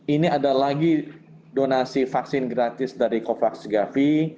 ini ada lagi donasi vaksin gratis dari covax gavi